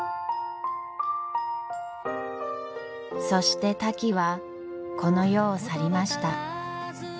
そしてタキはこの世を去りました。